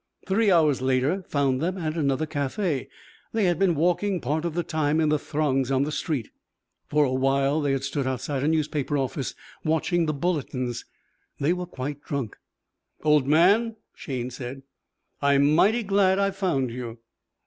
Three hours later found them at another café. They had been walking part of the time in the throngs on the street. For a while they had stood outside a newspaper office watching the bulletins. They were quite drunk. "Old man," Shayne said, "I'm mighty glad I found you."